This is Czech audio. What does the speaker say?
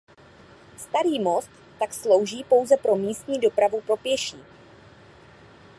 Starý most tak slouží pouze pro místní dopravu pro pěší.